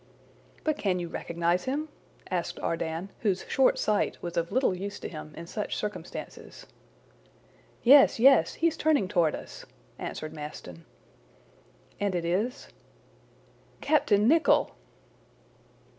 "But can you recognize him?" asked Ardan, whose short sight was of little use to him in such circumstances. "Yes! yes! He is turning toward us," answered Maston. "And it is?" "Captain Nicholl!"